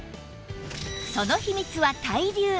その秘密は対流